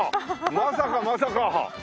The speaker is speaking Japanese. まさかまさか。